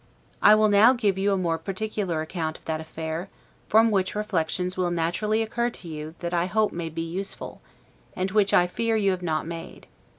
I will now give you a more particular account of that affair; from which reflections will naturally occur to you that I hope may be useful, and which I fear you have not made.